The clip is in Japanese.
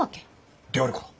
であるかな？